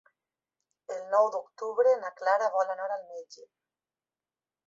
El nou d'octubre na Clara vol anar al metge.